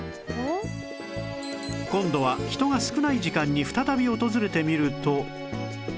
今度は人が少ない時間に再び訪れてみると